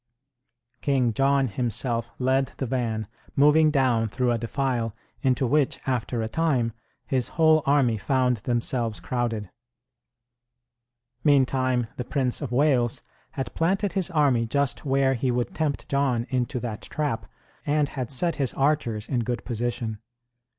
King John himself led the van, moving down through a defile, into which, after a time, his whole army found themselves crowded. Meantime, the Prince of Wales had planted his army just where he would tempt John into that trap and had set his archers in good position.